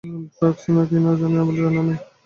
Drugs নেয় কি না আপনি জানেন না?